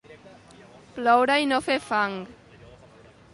Ploure i no fer fang.